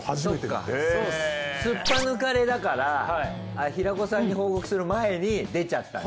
すっぱ抜かれだから平子さんに報告する前に出ちゃったんだ。